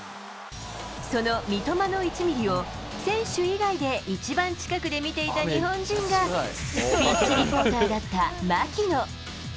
その三笘の１ミリを、選手以外で一番近くで見ていた日本人が、ピッチリポーターだった槙野。